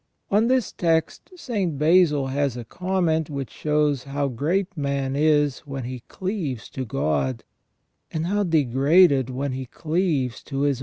On this text St. Basil has a comment which shows how great man is when he cleaves to God, and how degraded when he cleaves to his own * S.